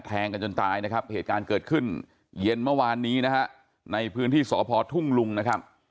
แทงกันจนตายนะครับเหตุการณ์เกิดขึ้นเย็นเมื่อวานนี้นะฮะในพื้นที่สพทุ่งลุงนะครับ